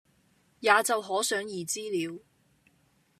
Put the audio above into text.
也就可想而知了，